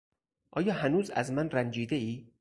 آیا هنوز از من رنجیدهای؟